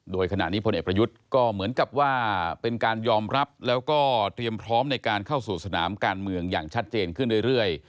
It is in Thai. โดยขณะนี้พลเอกประยุทธ์ก็เหมือนกับว่าเป็นการยอมรับแล้วก็เตรียมพร้อมในการเข้าสู่สนามการเมืองอย่างชัดเจนขึ้นเรื่อย